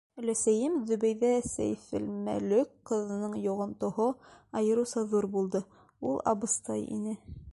Өләсәйем Зөбәйҙә Сәйфелмөлөк ҡыҙының йоғонтоһо айырыуса ҙур булды — ул абыстай ине.